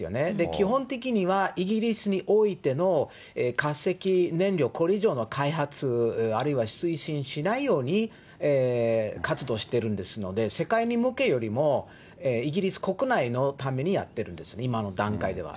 基本的には、イギリスにおいての化石燃料、これ以上の開発、あるいは推進しないように活動してるんですので、世界に向けよりも、イギリス国内のためにやってるんです、今の段階では。